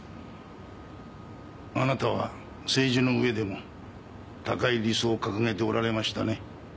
あなたは政治のうえでも高い理想を掲げておられましたね。